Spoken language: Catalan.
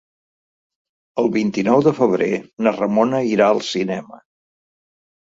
El vint-i-nou de febrer na Ramona irà al cinema.